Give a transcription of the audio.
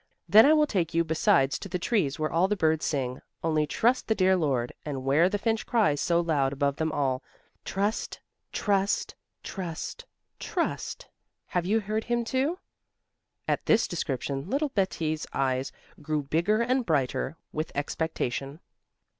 Then I will take you besides to the trees where all the birds sing 'Only trust the dear Lord!' and where the finch cries so loud above them all: 'Trust! Trust! Trust! Trust!' Have you heard him too?" At this description little Betti's eyes grew bigger and brighter with expectation.